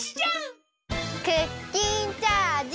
クッキンチャージ！